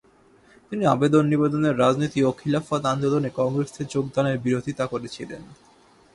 তিনি আবেদন-নিবেদনের রাজনীতি ও খিলাফত আন্দোলনে কংগ্রেসের যোগদানের বিরোধিতা করেছিলেন।